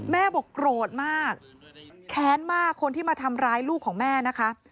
บอกโกรธมากแค้นมากคนที่มาทำร้ายลูกของแม่นะคะ